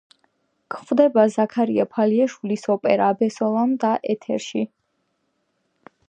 გვხვდება ზაქარია ფალიაშვილის ოპერა „აბესალომ და ეთერში“.